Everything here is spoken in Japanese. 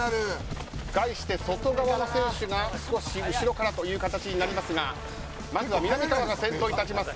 外側の選手が少し後ろからとなりますがまずはみなみかわが先頭に立ちます。